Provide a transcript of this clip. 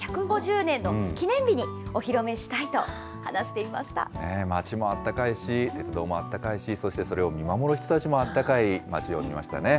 １５０年の記念日にお披露目したいと話し町もあったかいし、鉄道もあったかいし、そしてそれを見守る人たちもあったかい町を見ましたね。